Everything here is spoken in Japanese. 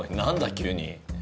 急に。